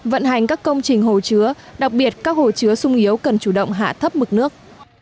vận hành các công trình hồ chứa đặc biệt các hồ chứa sung yếu cần chủ động hạ thấp mực nước